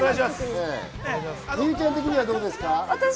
望結ちゃん的にはどうですか？